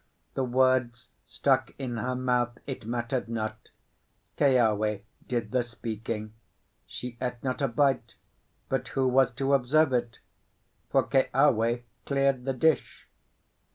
The words stuck in her mouth, it mattered not; Keawe did the speaking. She ate not a bite, but who was to observe it? for Keawe cleared the dish.